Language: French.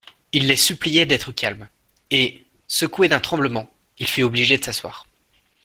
Il les suppliait d'être calmes ; et, secoué d'un tremblement, il fut obligé de s'asseoir.